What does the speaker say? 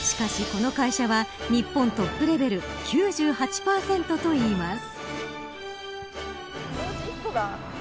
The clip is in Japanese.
しかしこの会社は日本トップレベル９８％といいます。